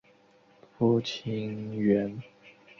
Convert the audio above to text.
父亲袁。